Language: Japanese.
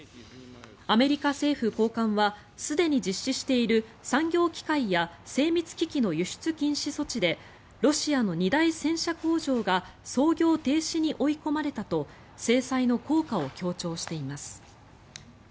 アメリカ政府高官はすでに実施している産業機械や精密機器の輸出禁止措置でロシアの二大戦車工場が操業停止に追い込まれたと制裁の効果を強調しています。